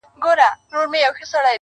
پر خواره مځکه هر واښه شين کېږي.